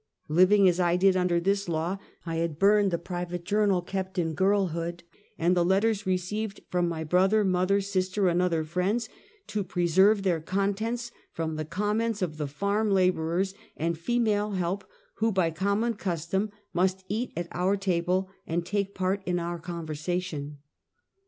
Living as I did, under this law I had burned the private journal kept in girlhood, and the letters received from my brother, mother, sister and other friends, to preserve their contents from the comments of the farm laborers and female help, who, by com mon custom, must eat at our table and take part in our conversation.